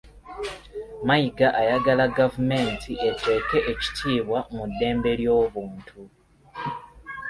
Mayiga ayagala gavumenti eteeke ekitiibwa mu ddembe ly'obuntu .